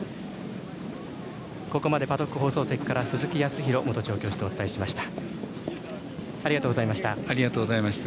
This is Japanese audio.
ここまでパドック放送席から鈴木康弘元調教師とお伝えしました。